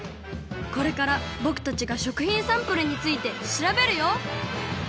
これからぼくたちが食品サンプルについてしらべるよ。